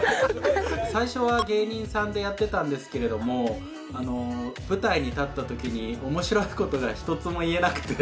最初は芸人さんでやってたんですけれどもあの舞台に立った時に面白いことが一つも言えなくて。